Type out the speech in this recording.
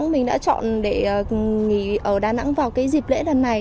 mình đã chọn để nghỉ ở đà nẵng vào cái dịp lễ lần này